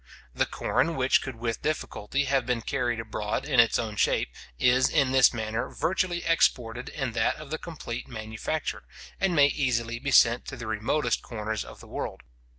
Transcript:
The corn which could with difficulty have been carried abroad in its own shape, is in this manner virtually exported in that of the complete manufacture, and may easily be sent to the remotest corners of the world.